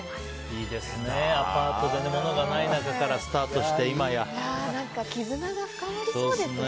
いいですね、アパートでねものがない中から絆が深まりそうですね。